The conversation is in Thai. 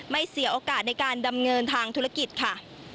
เสียโอกาสในการดำเนินทางธุรกิจค่ะ